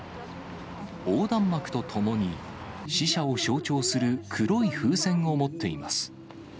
横断幕とともに、死者を象徴する黒い風船を持っています。